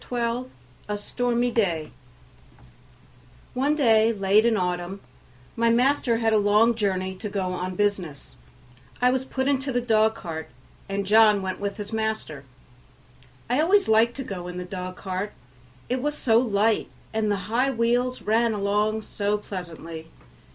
12 A Stormy Day One day late in the autumn my master had a long journey to go on business. I was put into the dog cart, and John went with his master. I always liked to go in the dog cart, it was so light and the high wheels ran along so pleasantly.